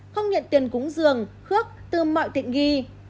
không nhận tiền cúng giường khước từ mọi tiện nghi